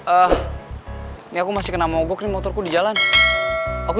eh ini aku masih kena mogok nih motorku di jalan aku